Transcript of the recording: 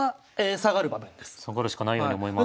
下がるしかないように思います。